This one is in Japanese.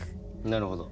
なるほど。